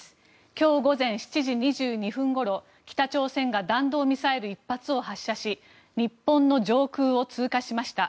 今日午前７時２２分ごろ北朝鮮が弾道ミサイル１発を発射し日本の上空を通過しました。